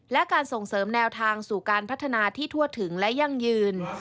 และการส่งเสริมแนวทางสู่การพัฒนาที่ทั่วถึงและยั่งยืน